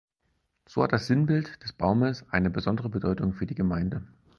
So hat das Sinnbild des Baumes eine besondere Bedeutung für die Gemeinde.